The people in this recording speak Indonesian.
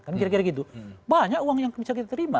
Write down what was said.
kan kira kira gitu banyak uang yang bisa kita terima